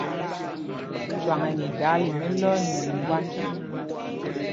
Cwâŋ ɛ nɛ idaala í mɛ̄lɔ̄ nɛ iŋgiŋgwand.